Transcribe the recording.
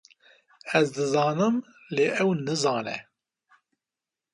Ez dizanim lê ew nizane